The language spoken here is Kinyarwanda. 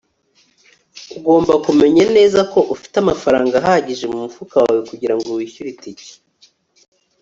Ugomba kumenya neza ko ufite amafaranga ahagije mumufuka wawe kugirango wishyure itike